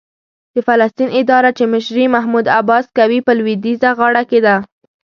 د فلسطین اداره چې مشري یې محمود عباس کوي، په لوېدیځه غاړه کې ده.